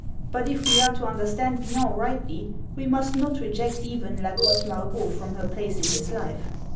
But if we are to understand Villon rightly, we must not reject even la grosse Margot from her place in his life.